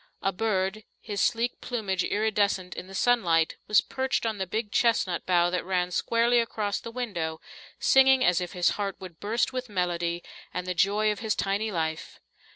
A bird, his sleek plumage iridescent in the sunlight, was perched on the big chestnut bough that ran squarely across the window, singing as if his heart would burst with melody and the joy of his tiny life.